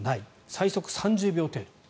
最速３０秒程度。